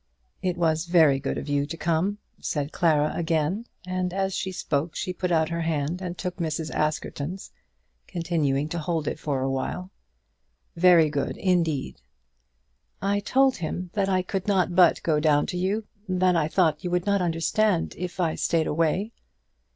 "It was very good of you to come," said Clara again, and as she spoke she put out her hand and took Mrs. Askerton's, continuing to hold it for awhile; "very good indeed." "I told him that I could not but go down to you, that I thought you would not understand it if I stayed away."